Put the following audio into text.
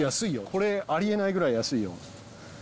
これ、ありえないぐらい安いよ。